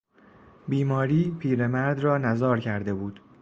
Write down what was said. بیماری پیرمرد را نزار کرده بود.